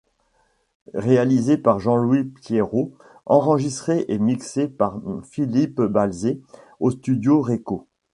Réalisé par Jean-Louis Piérot, enregistré et mixé par Philippe Balzé au studio Reko.